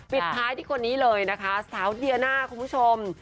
ปิดท้ายที่คนนี้เลยนะคะสาวเดียน่าคุณผู้ชม